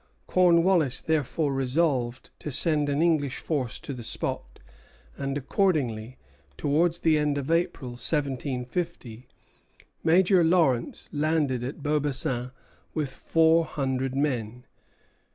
Cornwallis therefore resolved to send an English force to the spot; and accordingly, towards the end of April, 1750, Major Lawrence landed at Beaubassin with four hundred men.